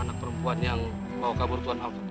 anak perempuan yang bawa kabur tuan alkohol